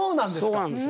そうなんですよ。